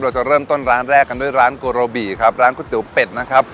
เราจะเริ่มต้นร้านแรกกันด้วยร้านโกโรบีครับร้านก๋วยเตี๋ยวเป็ดนะครับ